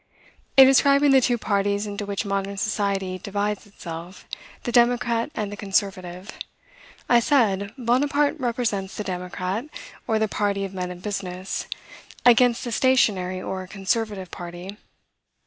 In describing the two parties into which modern society divides itself, the democrat and the conservative, I said, Bonaparte represents the democrat, or the party of men of business, against the stationary or conservative party.